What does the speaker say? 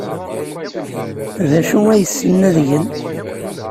D acu ay ssnen ad gen?